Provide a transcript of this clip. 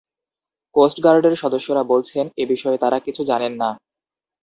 কোস্টগার্ডের সদস্যরা বলছেন, এ বিষয়ে তাঁরা কিছু জানেন না।